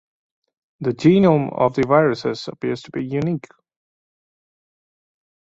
The genome of these viruses appears to be unique.